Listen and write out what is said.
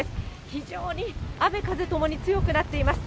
非常に雨風ともに強くなっています。